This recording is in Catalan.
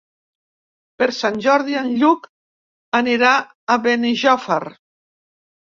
Per Sant Jordi en Lluc anirà a Benijòfar.